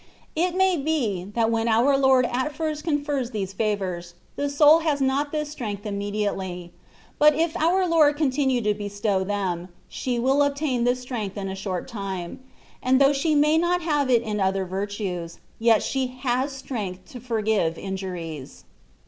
It may be, that when our Lord at first confers these favours, the soul has not this strength imme diately ; but if our Lord continue to bestow them, die will obtain this strength in a short time; and though she may not have it in other virtues, yet she has strength to forgive injuries.